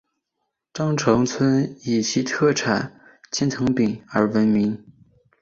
鄣城村以其特产千层饼而闻名。